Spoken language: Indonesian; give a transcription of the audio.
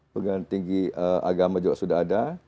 pengadilan tinggi agama juga sudah ada